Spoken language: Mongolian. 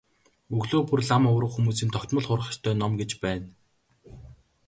Өглөө бүр лам хувраг хүмүүсийн тогтмол хурах ёстой ном гэж байна.